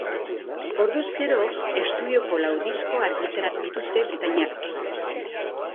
Orduz gero, estudioko lau disko argitaratu dituzte britainiarrek.